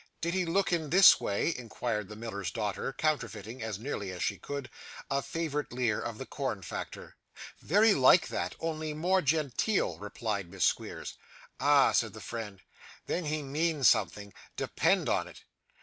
'Did he look in this way?' inquired the miller's daughter, counterfeiting, as nearly as she could, a favourite leer of the corn factor. 'Very like that only more genteel,' replied Miss Squeers. 'Ah!' said the friend, 'then he means something, depend on it.